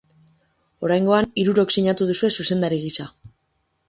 Oraingoan hirurok sinatu duzue zuzendari gisa.